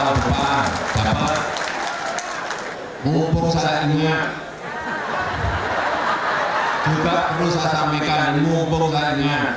dan kalau depan dapat mengumpul saat ini juga perlu saya sampaikan mengumpul saat ini